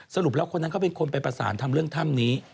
สรุปแล้วคนนั้นเขาเป็นคนไปประสานทำเรื่องถ้ำนี้